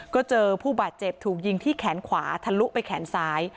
ก็เจอผู้บาดเจ็บถูกยิงที่แขนขวาทะลุไปแขนซ้าย